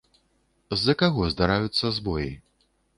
З-за каго здараюцца збоі?